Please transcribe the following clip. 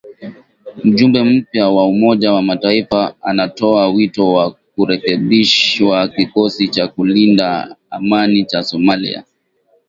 Mjumbe mpya wa Umoja wa mataifa anatoa wito wa kurekebishwa kikosi cha kulinda amani cha Somalia